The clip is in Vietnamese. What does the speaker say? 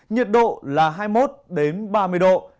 nhiệt độ là hai mươi một ba mươi độ